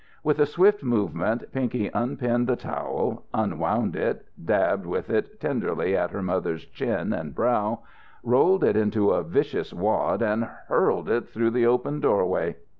With a swift movement Pinky unpinned the towel, unwound it, dabbed with it tenderly at her mother's chin and brow, rolled it into a vicious wad and hurled it through the open doorway.